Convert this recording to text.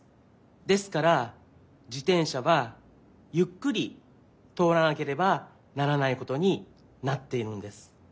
ですから自転車はゆっくりとおらなければならないことになっているんです。